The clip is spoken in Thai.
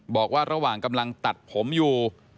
บอกว่าระหว่างกำลังตัดผมอยู่